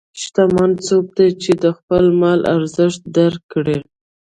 شتمن څوک دی چې د خپل مال ارزښت درک کړي.